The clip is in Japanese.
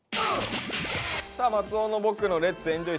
さあ松尾の「ボクのレッツエンジョイ！